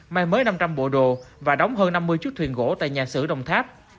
mang mới năm trăm linh bộ đồ và đóng hơn năm mươi chút thuyền gỗ tại nhà sử đồng tháp